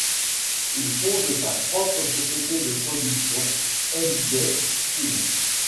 Il fonde sa propre société de production, Heyday Films.